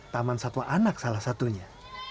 taman satwa anak salah satunya